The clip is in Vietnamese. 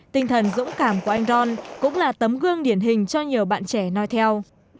tinh thần dũng cảm của anh ron cũng là tấm gương điển hình cho nhiều bạn trẻ nói theo